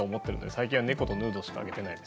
最近は猫とヌードしか上げていないんで。